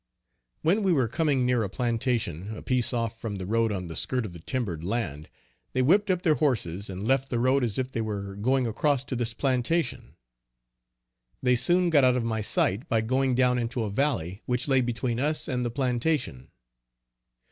When we were coming near a plantation a piece off from the road on the skirt of the timbered land, they whipped up their horses and left the road as if they were going across to this plantation. They soon got out of my sight by going down into a valley which lay between us and the plantation.